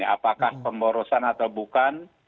apakah pemborosan atau bukan